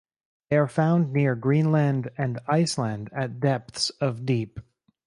They are found near Greenland and Iceland at depths of deep.